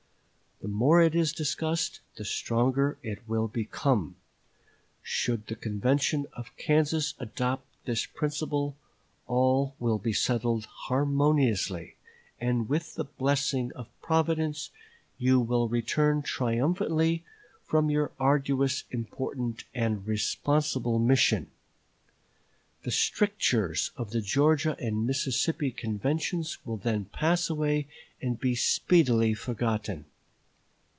The more it is discussed the stronger it will become. Should the convention of Kansas adopt this principle, all will be settled harmoniously, and with the blessing of Providence you will return triumphantly from your arduous, important, and responsible mission. The strictures of the Georgia and Mississippi Conventions will then pass away and be speedily forgotten.